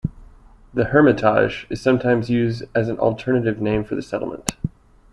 The Hermitage is sometimes used as an alternative name for the settlement.